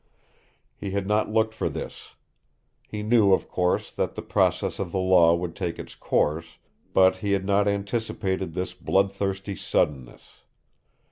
He had not looked for this. He knew, of course, that the process of the Law would take its course, but he had not anticipated this bloodthirsty suddenness.